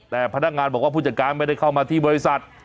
แต่พนักงานบอกว่าผู้จัดการไม่ได้เข้ามาที่บริษัท